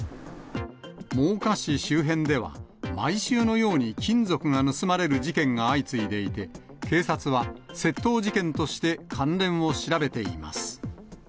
真岡市周辺では、毎週のように金属が盗まれる事件が相次いでいて、警察は、窃盗事件として関連を調べています。